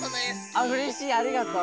あうれしいありがとう。